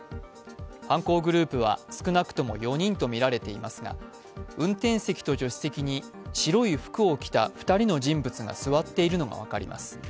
犯行グループは少なくとも４人とみられていますが運転席と助手席に白い服を着た２人の人物が座っているのが分かります。